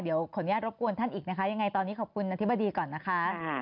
เดี๋ยวขออนุญาตรบกวนท่านอีกนะคะยังไงตอนนี้ขอบคุณอธิบดีก่อนนะคะ